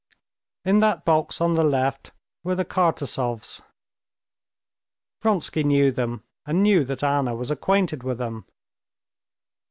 In that box on the left were the Kartasovs. Vronsky knew them, and knew that Anna was acquainted with them.